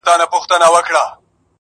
زه پوهېږم په دوږخ کي صوبه دار دئ-